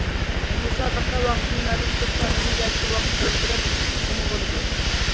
مۇسابىقە ۋاقتىنى مەلۇم توپ سانىنى ياكى ۋاقىت بەلگىلەپ بېكىتسىمۇ بولىدۇ.